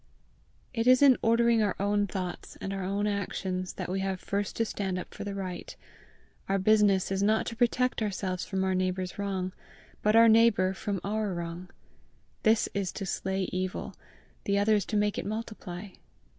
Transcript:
It is in ordering our own thoughts and our own actions, that we have first to stand up for the right; our business is not to protect ourselves from our neighbour's wrong, but our neighbour from our wrong. This is to slay evil; the other is to make it multiply.